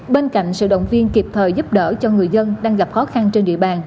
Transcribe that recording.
bên cạnh sự động viên kịp thời giúp đỡ cho người dân đang gặp khó khăn trên địa bàn